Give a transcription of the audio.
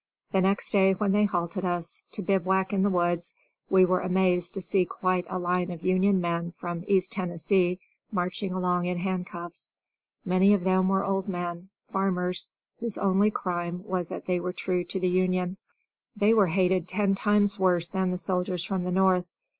The next day when they halted us, to bivouac in the woods, we were amazed to see quite a line of Union men from East Tennessee marching along in handcuffs. Many of them were old men, farmers, whose only crime was that they were true to the Union. They were hated ten times worse than the soldiers from the North.